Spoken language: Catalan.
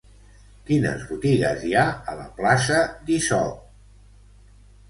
Quines botigues hi ha a la plaça d'Isop?